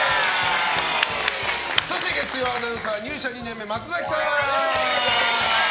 そして月曜アナウンサー入社２年目、松崎さん！